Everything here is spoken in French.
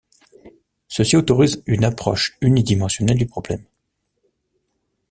Ceci autorise une approche unidimensionnelle du problème.